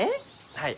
はい。